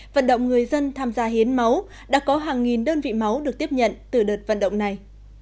vận động người dân tham gia hiến máu đã có hàng nghìn đơn vị máu được tiếp nhận từ đợt vận động này